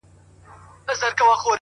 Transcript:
هغه سړی کلونه پس دی، راوتلی ښار ته.